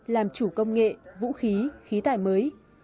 làm chủ công nghệ vũ khí khí tài mới